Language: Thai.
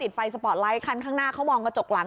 ไฟสปอร์ตไลท์คันข้างหน้าเขามองกระจกหลัง